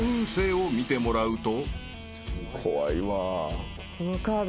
怖いわ。